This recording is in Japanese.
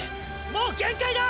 もう限界だ！！